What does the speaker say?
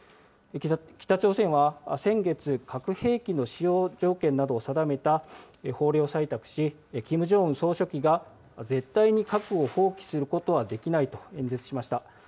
北朝鮮は、先月、核兵器の使用条件などを定めた法令を採択し、キム・ジョンウン総書記が、絶対に核を放棄することはできないと演説しました。